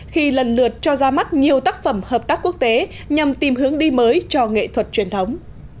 khi lần lượt cho ra mắt nhiều tác phẩm hợp tác quốc tế nhằm tìm hướng đi mới cho nghệ thuật truyền thống